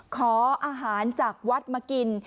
ขออาหารจากวัดมากิน